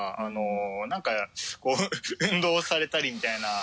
何か運動されたりみたいな。